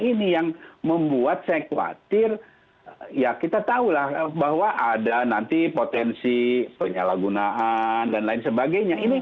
ini yang membuat saya khawatir ya kita tahulah bahwa ada nanti potensi penyalahgunaan dan lain sebagainya